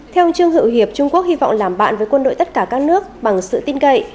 theo ông trương hữu hiệp trung quốc hy vọng làm bạn với quân đội tất cả các nước bằng sự tin cậy